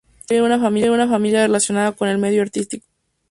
Proviene de una familia relacionada con el medio artístico.